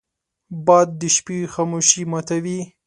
باد د شپې خاموشي ماتوي